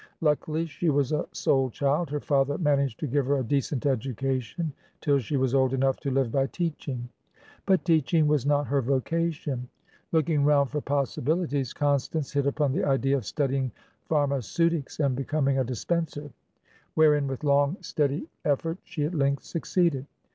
Luckily, she was a sole child: her father managed to give her a decent education till she was old enough to live by teaching. But teaching was not her vocation. Looking round for possibilities, Constance hit upon the idea of studying pharmaceutics and becoming a dispenser; wherein, with long, steady effort, she at length succeeded.